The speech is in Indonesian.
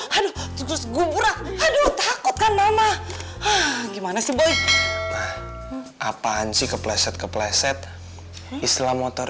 haduh terus gugurah aduh takutkan mama gimana sih boy apaan sih kepleset kepleset islam motor